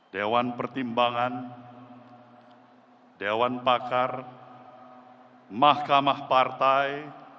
dewan pertimbangan dewan pakar mahkamah partai